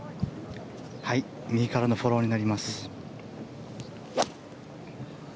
右からのフォローになります。